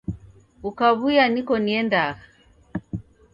Ukaw'uya niko niendagha.